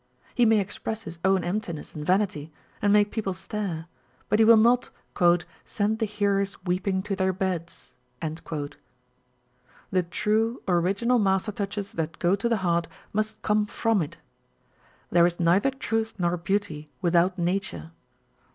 He may express his own emptiness and vanity, and make people stare, but he will not " send the hearers weeping to their beds." The true, original master touches that go to the heart, must come from it. There is neither truth nor beauty without nature.